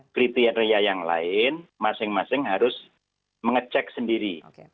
kriteria yang lain masing masing harus mengecek sendiri